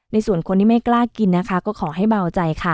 ส่วนคนที่ไม่กล้ากินนะคะก็ขอให้เบาใจค่ะ